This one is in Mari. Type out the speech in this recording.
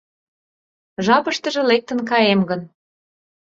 Жапыштыже лектын каем гын...